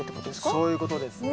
そういうことですね。